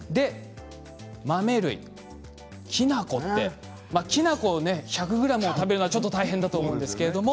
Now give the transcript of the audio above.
豆類きな粉って１００ｇ食べるのはちょっと大変だと思うんですけれども。